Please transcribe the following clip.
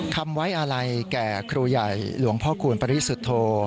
คำไว้อะไรแก่ครูใหญ่หลวงพ่อคูณปริสุทธโธ